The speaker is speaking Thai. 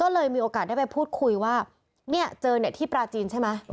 เลยมีโอกาสที่พูดคุยว่าเจอแต๊ะที่ปราจีนใช่ล่ะ